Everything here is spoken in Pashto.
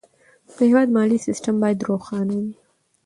د هېواد مالي سیستم باید روښانه وي.